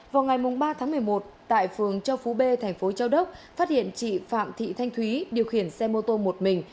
vào ngày ba tháng một mươi một tại phường châu phú b thành phố châu đốc phát hiện chị phạm thị thanh thúy điều khiển xe mô tô một mình